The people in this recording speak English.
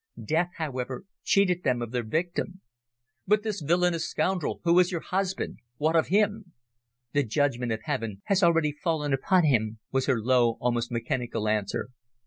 Death, however, cheated them of their victim." "But this villainous scoundrel who is your husband? What of him?" "The judgment of Heaven has already fallen upon him," was her low, almost mechanical answer.